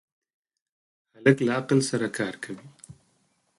هلک له عقل سره کار کوي.